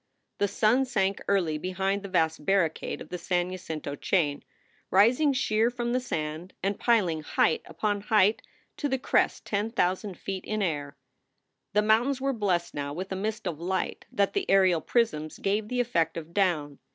The sun sank early behind the vast barricade of the San Jacinto chain, rising sheer from the sand and piling height upon height to the crest ten thousand feet in air. The mountains were blessed now with a mist of light that the aerial prisms gave the effect of down.